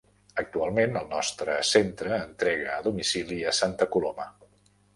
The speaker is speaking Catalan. Actualment el nostre centre entrega a domicili a Santa Coloma.